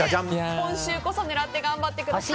今週こそ狙って頑張ってください。